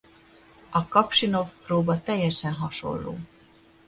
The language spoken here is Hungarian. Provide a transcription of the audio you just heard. A Kapsinov-próba teljesen hasonló.